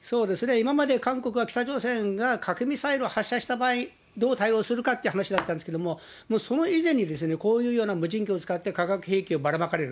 今まで韓国が、北朝鮮が核ミサイルを発射した場合、どう対応するかっていう話だったんですけど、もうその以前に、こういうような無人機を使って、化学兵器をばらまかれる。